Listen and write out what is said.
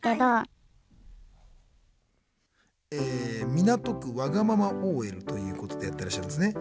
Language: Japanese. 「港区わがままＯＬ」ということでやってらっしゃるんですね。